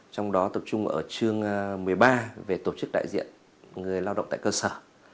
trong đó tập trung ở chương một mươi ba về tổ chức đại diện người lao động tại cơ sở